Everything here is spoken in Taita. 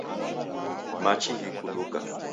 Machi ghikuduka